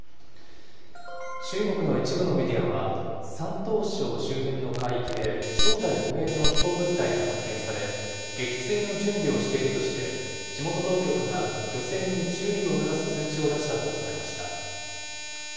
中国の一部のメディアは、山東省周辺の海域で正体不明の飛行物体が発見され、撃墜の準備をしているとして、地元当局が漁船に注意を促す通知を出したと伝えました。